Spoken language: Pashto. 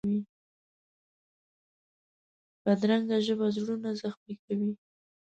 بدرنګه ژبه زړونه زخمي کوي